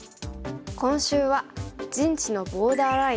今週は「陣地のボーダーライン」。